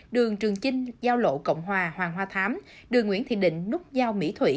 đường trường chinh giao lộ cộng hòa hoàng hoa thám đường nguyễn thị định nút giao mỹ thủy